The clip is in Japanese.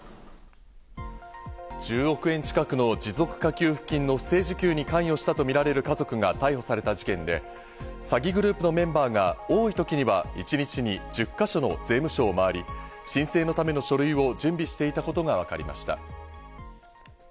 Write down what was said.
１０億円近くの持続化給付金の不正受給に関与したとみられる家族が逮捕された事件で、詐欺グループのメンバーが多い時には一日に１０か所の税務署を回り、申請のための書類を準備していたことがわかりました。